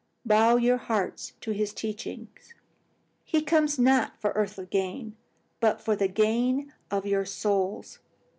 Bow your hearts to his teaching. He comes not for earthly gain, but for the gain of your souls.